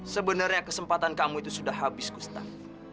sebenarnya kesempatan kamu itu sudah habis gustaf